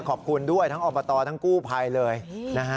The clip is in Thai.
ขอบคุณด้วยทั้งอบตทั้งกู้ภัยเลยนะฮะ